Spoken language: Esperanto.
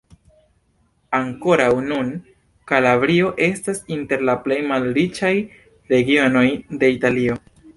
Ankoraŭ nun, Kalabrio estas inter la plej malriĉaj regionoj de Italio.